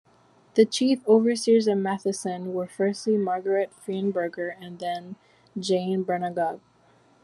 The Chief Overseers at Mauthausen were firstly Margarete Freinberger, and then Jane Bernigau.